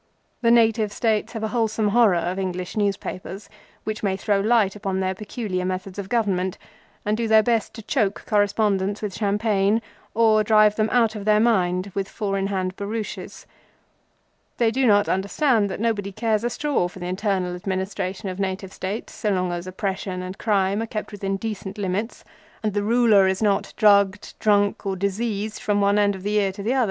The Native States have a wholesome horror of English newspapers, which may throw light on their peculiar methods of government, and do their best to choke correspondents with champagne, or drive them out of their mind with four in hand barouches. They do not understand that nobody cares a straw for the internal administration of Native States so long as oppression and crime are kept within decent limits, and the ruler is not drugged, drunk, or diseased from one end of the year to the other.